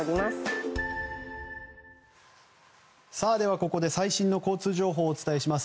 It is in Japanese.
ここで最新の交通情報をお伝えします。